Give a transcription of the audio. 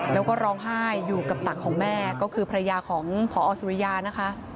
แล้วก็ร้องไห้อยู่กับตักของแม่ก็คือภรรยาของพอสุริยานะคะ